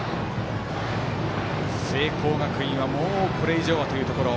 聖光学院はもうこれ以上はというところ。